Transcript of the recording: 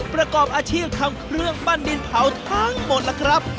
ประกอบอาชีพทำเครื่องปั้นดินเผาทั้งหมดล่ะครับ